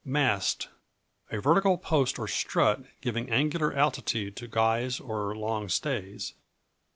Mast A vertical post or strut giving angular altitude to guys or long stays.